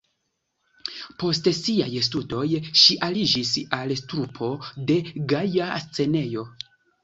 Post siaj studoj ŝi aliĝis al trupo de "Gaja Scenejo".